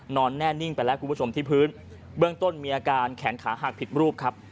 นอนแน่นิ่งไปแล้วคุณผู้ชมที่พื้นเบื้องต้นมีอาการแขนขาหักผิดรูปครับ